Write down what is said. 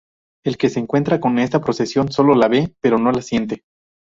El que se encuentra con esta procesión, sólo la ve, pero no la siente.